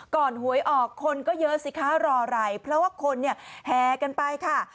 ก่อนหวยออกคนก็เยอะสิค่ะรอไหลเพราะว่าคนแหกันไปค่ะ